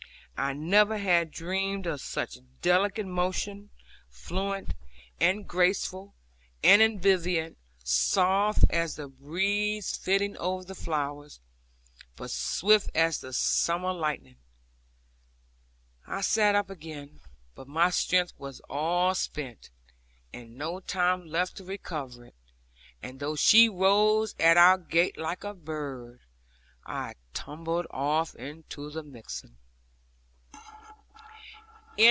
I never had dreamed of such delicate motion, fluent, and graceful, and ambient, soft as the breeze flitting over the flowers, but swift as the summer lightning. I sat up again, but my strength was all spent, and no time left to recover it, and though she rose at our gate like a bird, I tumbled off into the mixen.